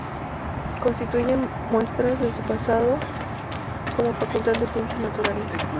Constituyen muestras de su pasado como Facultad de Ciencias Naturales.